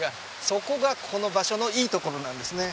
そこがこの場所のいいところなんですね。